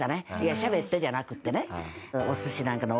しゃべってじゃなくってね。